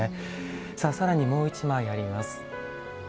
さらに、もう１枚あります。